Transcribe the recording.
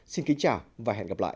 xin kính chào và hẹn gặp lại